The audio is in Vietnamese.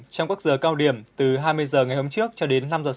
trong các giờ cao điểm từ hai mươi h ngày hôm trước cho đến năm h sáng hôm sau